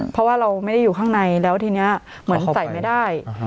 เพราะว่าเราไม่ได้อยู่ข้างในแล้วทีนี้เหมือนใส่ไม่ได้